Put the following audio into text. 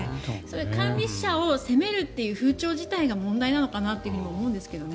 管理者を責めるという風潮自体が問題かなと思うんですけどね。